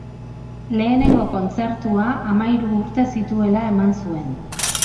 Lehenengo kontzertua hamahiru urte zituela eman zuen.